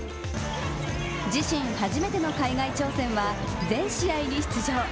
自身初めての海外挑戦は全試合に出場。